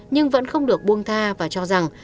nhưng vẫn không được buông tha và cho rằng